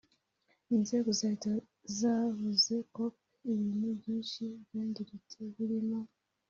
Inzego za Leta zavuze kop ibintu byinshi byangiritse birimo